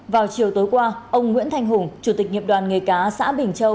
vào chiều tối qua ông nguyễn thanh hùng chủ tịch nghiệp đoàn nghề cá xã bình châu